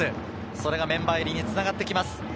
それがメンバー入りにつながってきます。